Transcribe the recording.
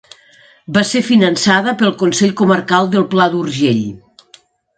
Va ser finançada pel Consell Comarcal del Pla d'Urgell.